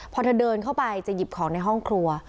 พอเธอเดินเข้าไปจะหยิบของในห้องครัว